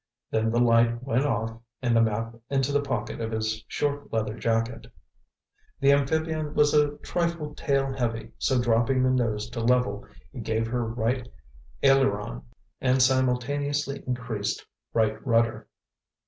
Then the light went off and the map into the pocket of his short leather jacket. The amphibian was a trifle tail heavy, so dropping the nose to level he gave her right aileron and simultaneously increased right rudder.